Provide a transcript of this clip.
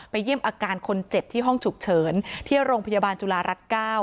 เยี่ยมอาการคนเจ็บที่ห้องฉุกเฉินที่โรงพยาบาลจุฬารัฐ๙